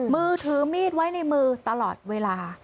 มือถือมีดไว้ในมือตลอดเวลา